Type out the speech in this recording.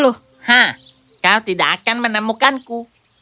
hah kau tidak akan menemukanku